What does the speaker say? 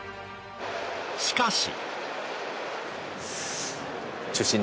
しかし。